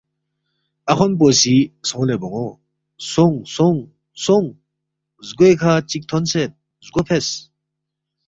اَخون پو سی، سونگ لے بون٘و، سونگ سونگ سونگ، زگوے کھہ چِک تھونسید، زگو فیس